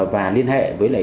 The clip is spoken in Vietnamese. và liên hệ với